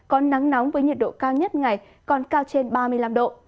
có nắng nóng với nhiệt độ cao nhất ngày còn cao trên ba mươi năm độ